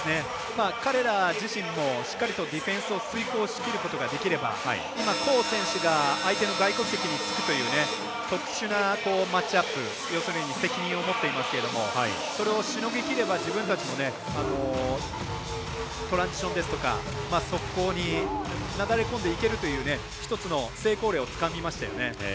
彼ら自身もしっかりとディフェンスを遂行しきることができれば今、コー選手が相手の外国籍につくという特殊なマッチアップ要するに責任を持っていますがそれをしのぎきれば自分たちのトランジションですとか速攻になだれこんでいけるという１つの成功例をつかみましたよね。